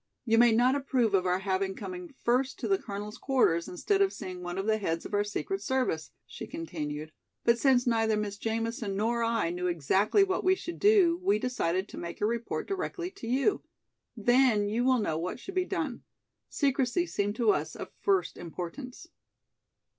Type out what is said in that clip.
"You may not approve of our having come first to the colonel's quarters instead of seeing one of the heads of our secret service," she continued, "but since neither Miss Jamison nor I knew exactly what we should do, we decided to make a report directly to you. Then you will know what should be done. Secrecy seemed to us of first importance."